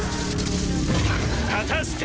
果たして！